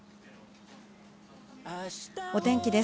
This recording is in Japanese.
お天気です。